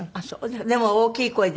でも大きい声で。